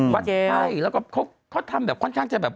วัดไข้แล้วก็เขาทำแบบค่อนข้างจะแบบ